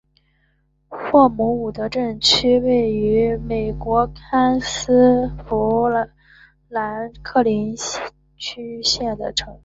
霍姆伍德镇区为位在美国堪萨斯州富兰克林县的镇区。